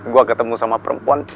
gue ketemu sama perempuan